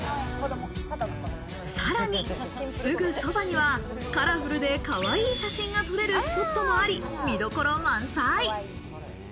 さらに、すぐそばにはカラフルでかわいい写真が撮れるスポットもあり、見どころ満載。